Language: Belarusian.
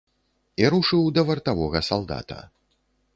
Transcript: І рушыў да вартавога салдата.